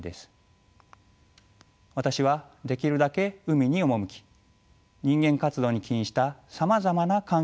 私はできるだけ海に赴き人間活動に起因したさまざまな環境